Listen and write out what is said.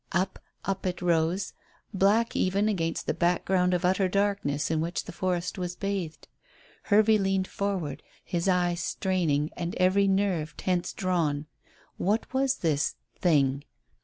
Up, up it rose, black even against the background of utter darkness in which the forest was bathed. Hervey leaned forward, his eyes straining and every nerve tense drawn. What was this thing?